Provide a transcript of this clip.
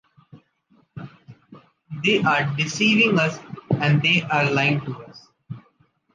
They are deceiving us and they are lying to us.